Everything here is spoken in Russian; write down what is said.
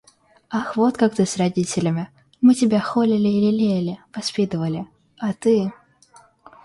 Ах вот, как ты с родителями. Мы тебя холили и лелеяли, воспитывали... А ты!